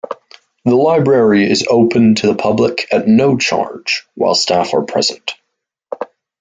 The library is open to the public at no charge while staff are present.